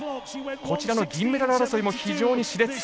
こちらの銀メダル争いも非常にしれつ。